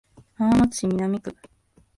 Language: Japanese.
浜松市南区